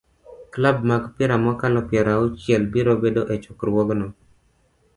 Klab mag opira mokalo piero auchiel biro bedo e chokruogno